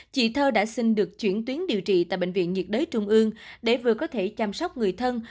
chị thơ đã xin được chuyển tuyến điều trị tại bệnh viện nhiệt đới trung ương để vừa có thể chăm sóc người thân